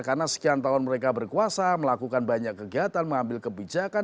karena sekian tahun mereka berkuasa melakukan banyak kegiatan mengambil kebijakan